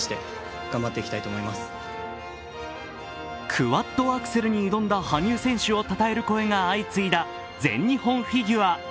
クワッドアクセルに挑んだ羽生選手をたたえる声が相次いだ全日本フィギュア。